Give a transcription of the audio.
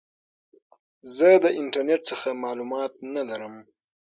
زه د انټرنیټ څخه معلومات نه لرم.